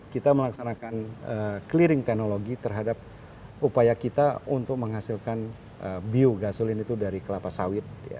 kita melaksanakan clearing teknologi terhadap upaya kita untuk menghasilkan biogasolin itu dari kelapa sawit